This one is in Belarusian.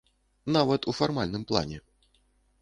Нават у фармальным плане.